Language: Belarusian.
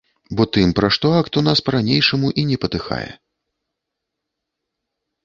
Бо тым, пра што акт, у нас па-ранейшаму і не патыхае.